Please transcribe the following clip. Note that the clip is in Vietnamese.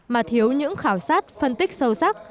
mà thiếu những khảo sát phân tích sâu sắc